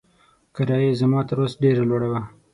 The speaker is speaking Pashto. کرایه یې زما تر وس ډېره لوړه وه.